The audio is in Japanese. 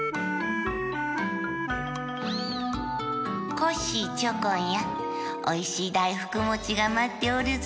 「コッシーチョコンやおいしいだいふくもちがまっておるぞ」。